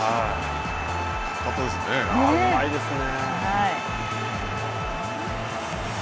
うまいですね。